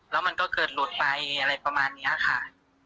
แล้วมันก็เกิดหลุดไปอะไรประมาณนี้ค่ะ